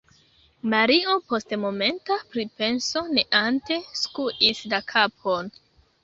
Mario post momenta pripenso neante skuis la kapon.